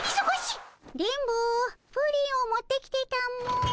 電ボプリンを持ってきてたも。